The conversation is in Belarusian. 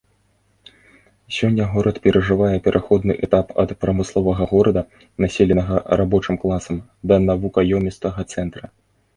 Сёння горад перажывае пераходны этап ад прамысловага горада, населенага рабочым класам, да навукаёмістага цэнтра.